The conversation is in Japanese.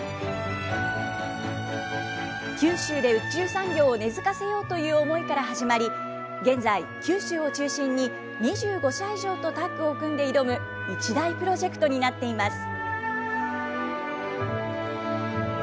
九州で宇宙産業を根づかせようという思いから始まり、現在、九州を中心に２５社以上とタッグを組んで挑む、一大プロジェクトなっています。